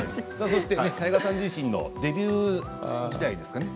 そして太賀さん自身のデビュー時代ですかね。